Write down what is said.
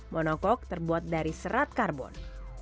monokok terbuat dari serat karbon